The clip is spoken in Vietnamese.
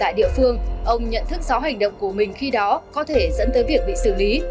tại địa phương ông nhận thức rõ hành động của mình khi đó có thể dẫn tới việc bị xử lý